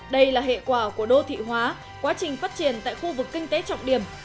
đây là hệ quả của đô thị hóa quá trình phát triển tại khu vực kinh tế trọng điểm